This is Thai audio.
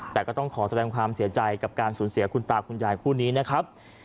แต่ก็ต้องขอแสดงความเสียใจกับการสูญเสียคุณตาคุณยายคู่นี้นะครับ